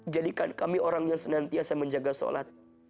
jadikan kami orang yang senantiasa menjaga sholat